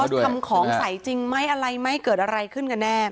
ว่าในบอสทำของใสจริงไหมอะไรไม่เกิดอะไรขึ้นกันแน่